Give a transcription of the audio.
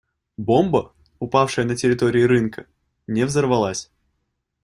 Бомба, упавшая на территории рынка, не взорвалась.